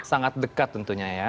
sahabat tentunya ya